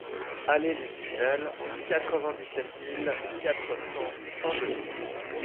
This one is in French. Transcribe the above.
Allée des Spinelles, quatre-vingt-dix-sept mille quatre cents Saint-Denis